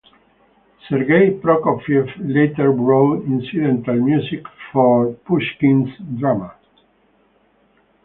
Sergei Prokofiev later wrote incidental music for Pushkin's drama.